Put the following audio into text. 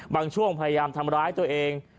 บางช่วงพยายามทำร้ายตัวเอง